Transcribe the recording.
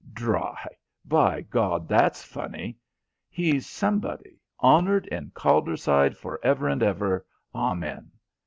Dry! By God, that's funny! He's somebody, honoured in Calderside for ever and ever, amen.